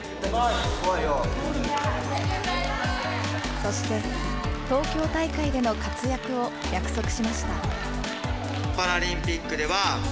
そして、東京大会での活躍を約束しました。